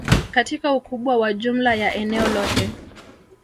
katika ukubwa wa jumla ya eneo lote